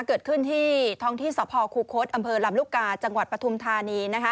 เกิดขึ้นที่ท้องที่สพคูคศอำเภอลำลูกกาจังหวัดปฐุมธานี